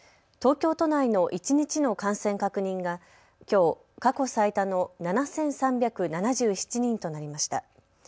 東京都内の一日の感染確認がきょう過去最多の７３７７人となりました。